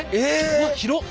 うわ広っ。